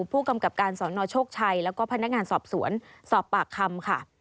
ผู้กำกับการสนโชคชัยแล้วก็พนักงานสอบสวนสอบปากคำค่ะ